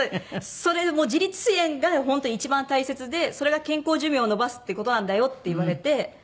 それもう自立支援が本当に一番大切でそれが健康寿命を延ばすっていう事なんだよって言われて。